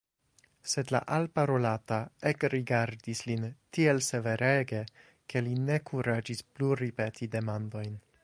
Sed la alparolata ekrigardis lin tiel severege, ke li ne kuraĝis plu ripeti demandojn.